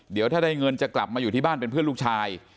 เดี๋ยวถ้าได้เงินจะกลับมาอยู่ที่บ้านเป็นเพื่อนลูกชาย